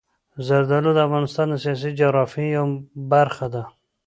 زردالو د افغانستان د سیاسي جغرافیې یوه برخه ده.